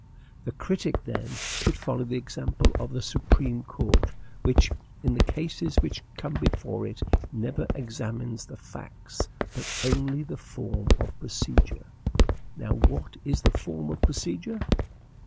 The critic, then, should follow the example of the Supreme Court, which, in the cases which come before it, never examines the facts, but only the form of procedure. Now, what is the form of procedure?